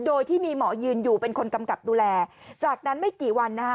โดยที่มีหมอยืนอยู่เป็นคนกำกับดูแลจากนั้นไม่กี่วันนะคะ